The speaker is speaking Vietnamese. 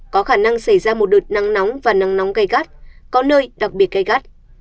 có khả năng xảy ra một đợt nắng nóng và nắng nóng gây gắt có nơi đặc biệt gây gắt